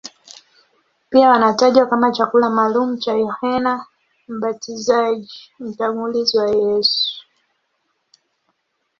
Pia wanatajwa kama chakula maalumu cha Yohane Mbatizaji, mtangulizi wa Yesu.